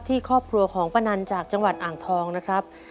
ครอบครัวของป้านันจากจังหวัดอ่างทองนะครับ